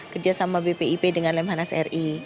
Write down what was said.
kerja sama bpip dengan lemhanas ri